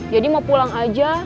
jadi mau pulang aja